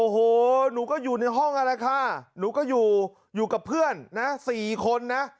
โอ้โหหนูก็อยู่ในห้องนั่นแหละค่ะหนูก็อยู่อยู่กับเพื่อนนะ๔คนนะ